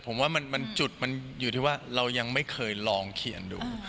ผมว่าจุดมันอยู่ที่ว่าเรายังไม่เคยลองเขียนดู